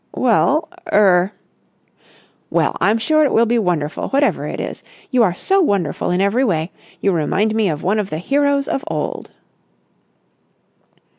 "Well—er—" "Well, I'm sure it will be wonderful whatever it is. You are so wonderful in every way. You remind me of one of the heroes of old!"